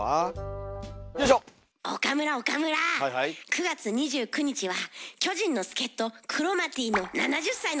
９月２９日は巨人の助っ人クロマティの７０歳の誕生日です！